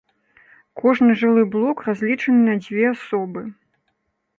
Кожны жылы блок разлічаны на дзве асобы.